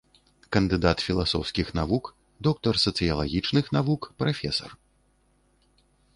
Кандыдат філасофскіх навук, доктар сацыялагічных навук, прафесар.